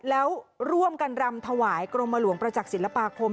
แล้วร่วมกันรำถวายกรมหลวงประจักษ์ศิลปาคม